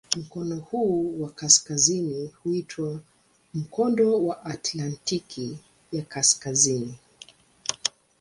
Mkono huu wa kaskazini huitwa "Mkondo wa Atlantiki ya Kaskazini".